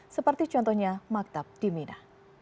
seperti contohnya maktab di mina